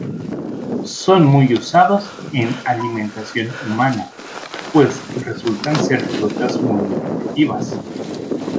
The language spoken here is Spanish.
Son muy usados en alimentación humana, pues resultan ser frutas muy nutritivas.